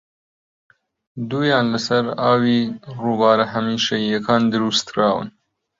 دوویان لەسەر ئاوی رووبارە هەمیشەییەکان دروستکراون